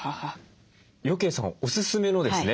余慶さんおすすめのですね